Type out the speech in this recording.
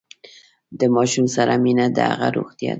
د ماشوم سره مینه د هغه روغتیا ده۔